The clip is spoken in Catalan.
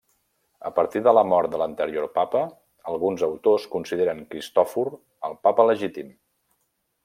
A partir de la mort de l'anterior Papa, alguns autors consideren Cristòfor el Papa legítim.